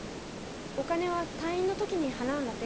お金は退院の時に払うんらて。